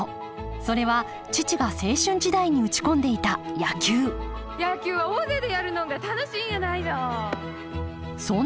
それは父が青春時代に打ち込んでいた野球野球は大勢でやるのんが楽しいんやないの。